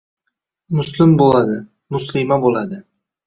Muslim bo‘ladi! Muslima bo‘ladi!